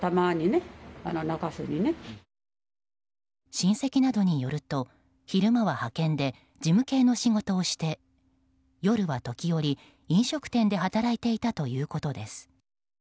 親戚などによると昼間は派遣で事務系の仕事をして夜は時折、飲食店で働いていたということです。